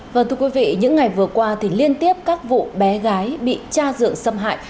vâng thưa quý vị những ngày vừa qua thì liên tiếp các vụ bé gái bị cha dượng xâm hại